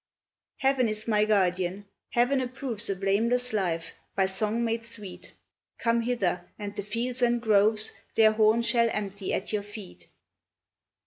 Heaven is my guardian; Heaven approves A blameless life, by song made sweet; Come hither, and the fields and groves Their horn shall empty at your feet.